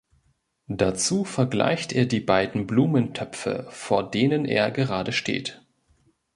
Dazu vergleicht er die beiden Blumentöpfe, vor denen er gerade steht.